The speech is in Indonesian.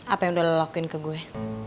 apa yang udah lo lakuin ke gue